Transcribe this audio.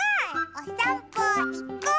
おさんぽいこう！